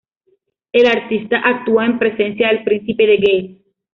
El artista actúa en presencia del príncipe de Gales.